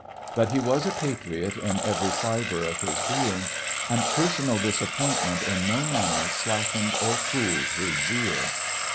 But he was a patriot in every fiber of his being, and personal disappointment in no manner slackened or cooled his zeal.